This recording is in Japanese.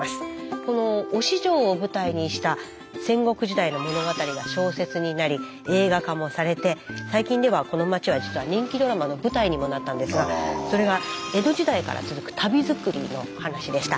この忍城を舞台にした戦国時代の物語が小説になり映画化もされて最近ではこの町は実は人気ドラマの舞台にもなったんですがそれが江戸時代から続く足袋作りの話でした。